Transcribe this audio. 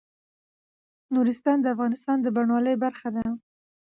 نورستان د افغانستان د بڼوالۍ برخه ده.